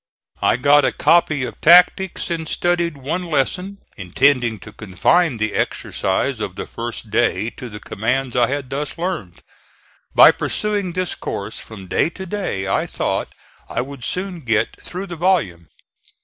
I got a copy of tactics and studied one lesson, intending to confine the exercise of the first day to the commands I had thus learned. By pursuing this course from day to day I thought I would soon get through the volume.